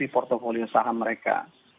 di portfolio saham mereka